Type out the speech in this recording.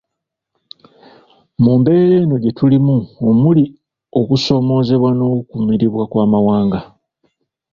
Mu mbeera eno gye tulimu omuli okusoomoozebwa n’okumiribwa kw’Amawanga.